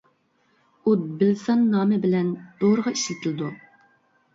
«ئۇد بىلسان» نامى بىلەن دورىغا ئىشلىتىلىدۇ.